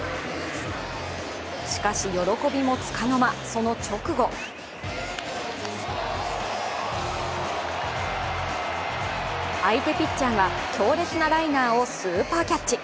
しかし、喜びもつかの間、その直後相手ピッチャーが強烈なライナーをスーパーキャッチ。